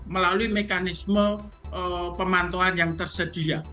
melalui mekanisme pemantauan yang tersedia